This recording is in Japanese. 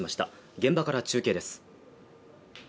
現場から中継です。